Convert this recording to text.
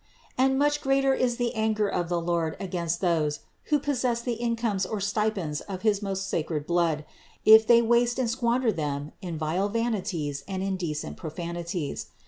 And much greater is the anger of the Lord against those who possess the incomes or stipends of his most sacred blood, if they waste and squander them in vile vanities and indecent profanities.